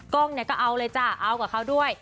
กล้องเนี่ยก็เอาเลยจ้ะเอากับเขาด้วย